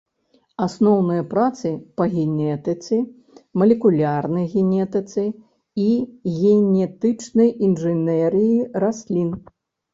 Асноўныя працы па генетыцы, малекулярнай генетыцы і генетычнай інжынерыі раслін.